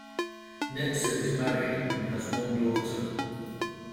Netzer is married and has one daughter.